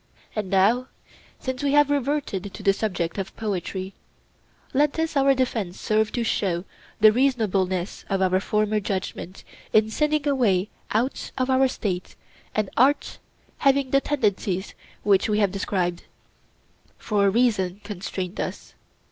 And now since we have reverted to the subject of poetry, let this our defence serve to show the reasonableness of our former judgment in sending away out of our State an art having the tendencies which we have described; for reason constrained us.